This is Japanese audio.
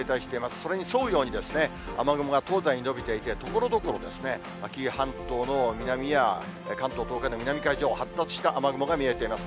それに沿うように、雨雲が東西に延びていて、ところどころ、紀伊半島の南や関東、東海の南海上を発達した雨雲が見えています。